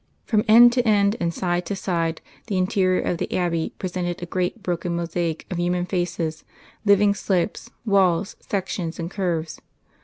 From end to end and side to side the interior of the Abbey presented a great broken mosaic of human faces; living slopes, walls, sections and curves.